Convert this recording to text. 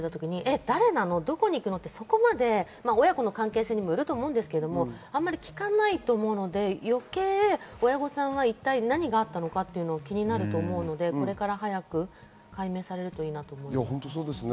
どこに行くの？と親子の関係性にもよるとは思いますが、あまり聞かないと思うので、余計親御さんは何があったのか気になると思うので、これから早く解明されるといいなと思います。